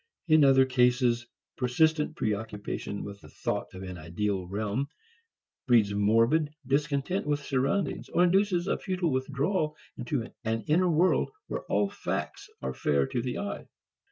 In other cases, persistent preoccupation with the thought of an ideal realm breeds morbid discontent with surroundings, or induces a futile withdrawal into an inner world where all facts are fair to the eye.